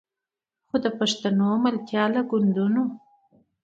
خو د پښتنو ملتپاله ګوندونو